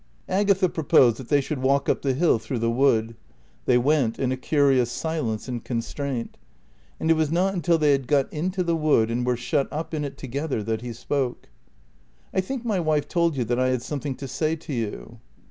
Agatha proposed that they should walk up the hill through the wood. They went in a curious silence and constraint; and it was not until they had got into the wood and were shut up in it together that he spoke. "I think my wife told you that I had something to say to you?"